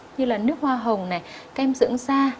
như là nước hoa hồng này kem dưỡng da